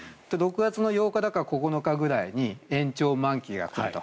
６月８日だか９日ぐらいに延長満期が来ると。